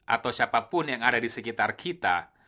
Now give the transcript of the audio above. atau siapapun yang ada di sekitar kita